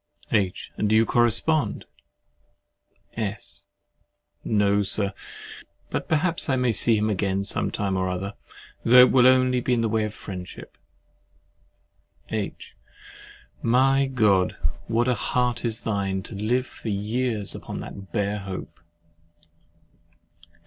H. And do you correspond? S. No, Sir. But perhaps I may see him again some time or other, though it will be only in the way of friendship. H. My God! what a heart is thine, to live for years upon that bare hope!